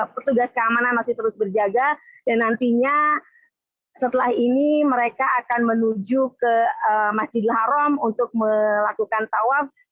petugas keamanan masih terus berjaga dan nantinya setelah ini mereka akan menuju ke masjidil haram untuk melakukan tawaf